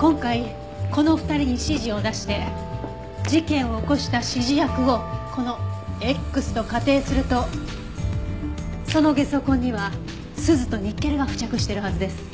今回この２人に指示を出して事件を起こした指示役をこのＸと仮定するとそのゲソ痕にはスズとニッケルが付着してるはずです。